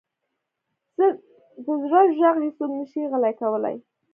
د زړه ږغ هیڅوک نه شي غلی کولی.